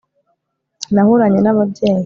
Nahoranye nababyeyi